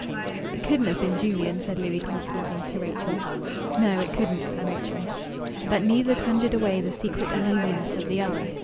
"It couldn't have been Julian," said Louis, confidently, to Rachel. "No, it couldn't," said Rachel. But neither conjured away the secret uneasiness of the other.